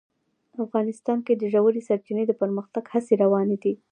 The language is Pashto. افغانستان کې د ژورې سرچینې د پرمختګ هڅې روانې دي.